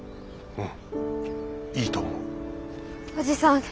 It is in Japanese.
うん。